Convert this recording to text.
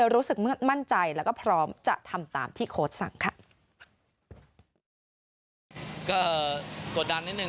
รู้สึกมั่นใจแล้วก็พร้อมจะทำตามที่โค้ชสั่งค่ะ